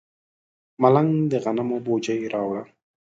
ملنګ د غنمو بوجۍ راوړه.